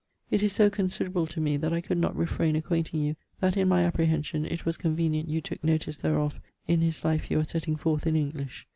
It is soe considerable to me that I cou'd not refrayne acquainting you that in my apprehension it wase convenient you tooke notice therof in his life you are setting forth in English.